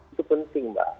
itu penting mbak